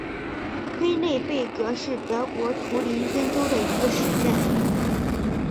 黑内贝格是德国图林根州的一个市镇。